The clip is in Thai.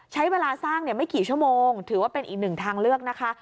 ใช้เวลาสร้างไม่กี่ชั่วโมงถือว่าเป็นอีกหนึ่งทางเลือกนะคะ